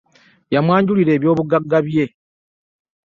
Yamwanjulira eby'obuggaga bye.